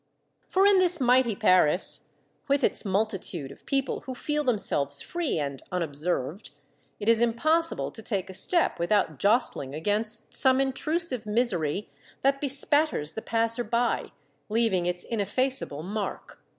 For in this mighty Paris, with its multitude of people who feel themselves free and unobserved, it is impossible to take a step without jostling against some intrusive misery that bespatters the passer by, leaving its ineffaceable mark.